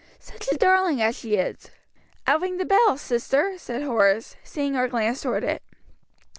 such a darling as she is!" "I'll ring the bell, sister," said Horace, seeing her glance toward it.